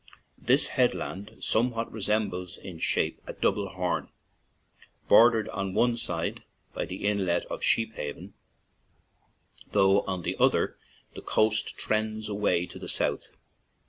This headland somewhat resembles in shape a double horn, bordered on one side by the inlet of Sheephaven, though on the other the coast trends away to the south.